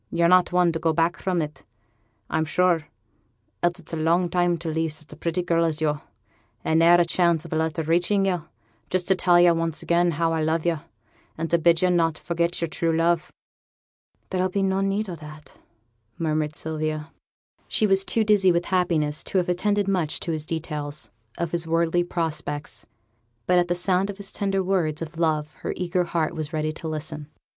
Yo're not one to go back from it, I'm sure, else it's a long time to leave such a pretty girl as yo', and ne'er a chance of a letter reaching yo' just to tell yo' once again how I love yo', and to bid yo' not forget yo'r true love.' 'There'll be no need o' that,' murmured Sylvia. She was too dizzy with happiness to have attended much to his details of his worldly prospects, but at the sound of his tender words of love her eager heart was ready to listen.